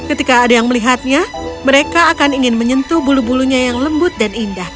ketika ada yang melihatnya mereka akan ingin menyentuh bulu bulunya yang lembut dan indah